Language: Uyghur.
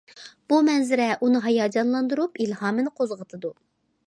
بۇ مەنزىرە ئۇنى ھاياجانلاندۇرۇپ، ئىلھامىنى قوزغىتىدۇ.